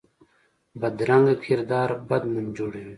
بدرنګه کردار بد نوم جوړوي